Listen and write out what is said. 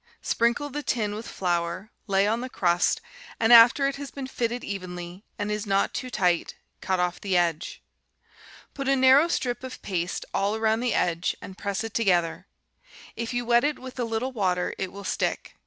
Sprinkle the tin with flour, lay on the crust, and after it has been fitted evenly, and is not too tight, cut off the edge. Put a narrow strip of paste all around the edge, and press it together; if you wet it with a little water it will stick.